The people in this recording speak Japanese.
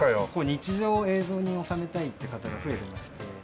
日常を映像に収めたいっていう方が増えてまして。